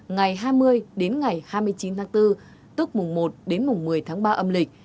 ngày hai mươi đến ngày hai mươi chín tháng bốn tức mùng một đến mùng một mươi tháng ba âm lịch